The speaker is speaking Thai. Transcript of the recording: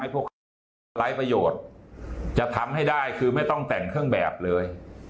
พวกเขาจะไร้ประโยชน์จะทำให้ได้คือไม่ต้องแต่งเครื่องแบบเลย